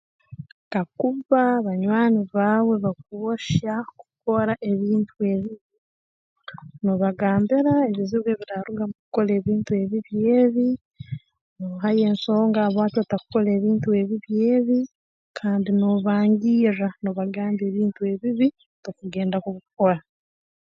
Kakuba banywani baawe bakwohya kukora ebintu ebibi noobagambira ebizibu ebiraaruga mu kukora ebintu ebibi ebi noohayo ensonga habwaki otakukora ebintu ebibi ebi kandi noobangirra noobagamba ebintu ebibi tokugenda kubikora